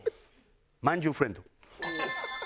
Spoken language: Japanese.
「まんじゅうフレンド」。